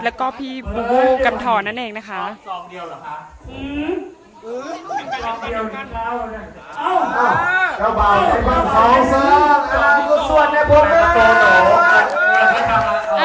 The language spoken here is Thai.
แล้วก็พี่บูบูกำทรนั่นเองนะคะ